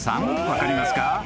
分かりますか？］